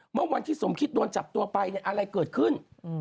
เมื่อวันที่สมคิดโดนจับตัวไปเนี่ยอะไรเกิดขึ้น